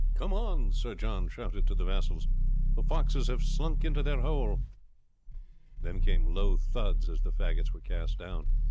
"Come on!" Sir John Kerr shouted to the vassals. "The foxes have slunk into their hole." Then came low thuds as the faggots were cast down.